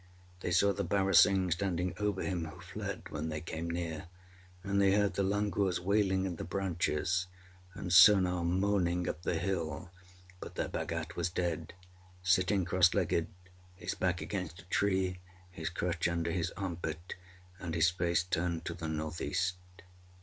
They saw the barasingh standing over him, who fled when they came near, and they heard the langurs wailing in the branches, and Sona moaning up the hill; but their Bhagat was dead, sitting cross legged, his back against a tree, his crutch under his armpit, and his face turned to the north east.